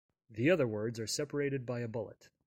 The other words are separated by a bullet.